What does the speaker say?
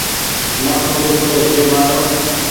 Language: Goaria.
مآٿو ۮيک رو ڇي مآرو ۔